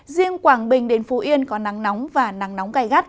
riêng quảng bình đến phú yên có nắng nóng và nắng nóng gai gắt